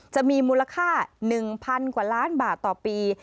จะมีมูลค่า๑๐๐๐กว่าล้านบาทต่อปี